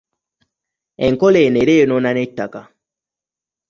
Enkola eno era eyonoona n'ettaka.